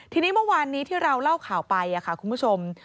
ทีนี้เมื่อวานนี้ที่เราเล่าข่าวไปคุณผู้ชม